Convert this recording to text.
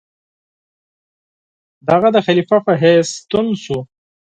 د هغه د خلیفه په حیث ستون شو.